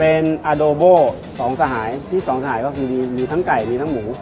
เป็นอาโดโบสองสหายที่สองหายก็คือมีทั้งไก่มีทั้งหมู